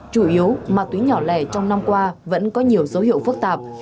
chủ yếu ma túy nhỏ lẻ trong năm qua vẫn có nhiều dấu hiệu phức tạp